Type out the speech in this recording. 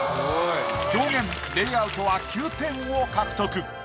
表現・レイアウトは９点を獲得。